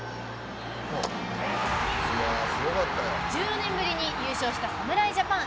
１４年ぶりに優勝した侍ジャパン。